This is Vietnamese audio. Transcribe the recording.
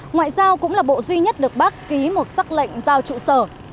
ngoại giao cũng là bộ duy nhất được bác ký một sắc lệnh giao trụ sở